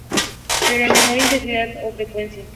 Pero, en menor intensidad o frecuencia.